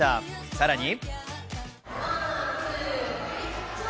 さらに。